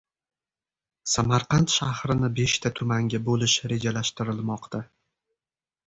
Samarqand shahrini beshta tumanga bo‘lish rejalashtirilmoqda